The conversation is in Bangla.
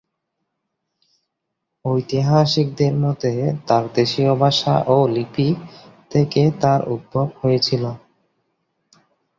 ঐতিহাসিকদের মতে তারতেশীয় ভাষা ও লিপি থেকে তার উদ্ভব হয়েছিল।